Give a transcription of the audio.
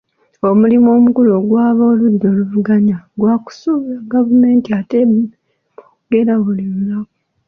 Omulimu omukulu ogw'abooludda oluvuganya gwa kusuula gavumenti ate be boogera buli lunaku.